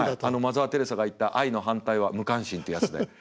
あのマザー・テレサが言った「愛の反対は無関心」ってやつで。